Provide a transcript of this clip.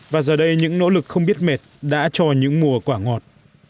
và giờ đây những nỗ lực không biết mệt đã cho những mùa quả ngọt